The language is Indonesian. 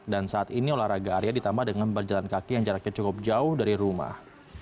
dan saat ini olahraga arya ditambah dengan berjalan kaki yang jaraknya cukup jauh dari rumah